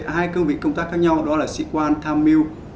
hai cương vị công tác khác nhau đó là sĩ quan tham mưu